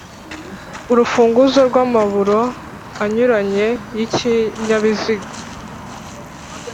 Urufunguzo rw’amaburo anyuranye y’ikinyabiziga